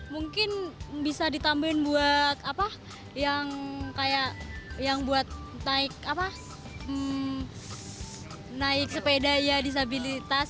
mungkin bisa ditambahin buat apa yang kayak yang buat naik sepeda ya disabilitas